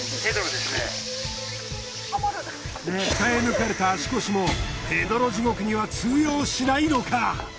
鍛え抜かれた足腰もヘドロ地獄には通用しないのか。